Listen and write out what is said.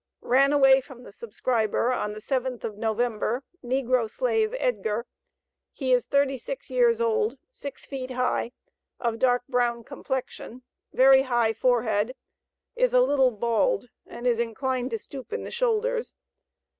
Ran away from the subscriber, on the 7th of November, negro slave, EDGAR. He is 36 years old, 6 feet high, of dark brown complexion, very high forehead, is a little bald, and is inclined to stoop in the shoulders.